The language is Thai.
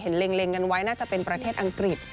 เล็งกันไว้น่าจะเป็นประเทศอังกฤษ